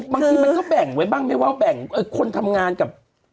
บางทีมันก็แบ่งไว้บ้างไม่ว่าแบ่งคนทำงานกับ